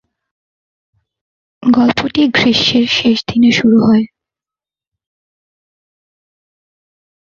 গল্পটি গ্রীষ্মের শেষ দিনে শুরু হয়।